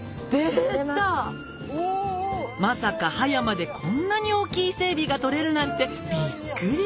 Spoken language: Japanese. まさか葉山でこんなに大きい伊勢海老がとれるなんてびっくり！